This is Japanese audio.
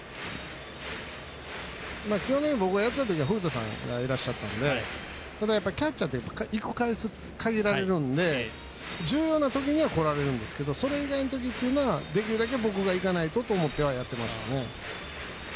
僕がやってたときは古田さんがいらっしゃったのでただキャッチャーって限られるんで、重要な時には来られるんですけどそれ以外のときにはできるだけ僕が行かないとと思ってやってましたよね。